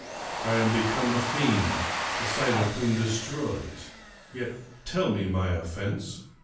I am become a fiend, the sight of whom destroys. Yet tell me my oflEense